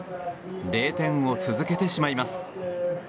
０点を続けてしまいます。